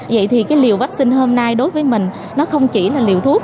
vậy thì liều vaccine hôm nay đối với mình không chỉ là liều thuốc